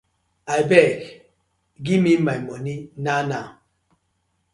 Abeg giv me my money now now.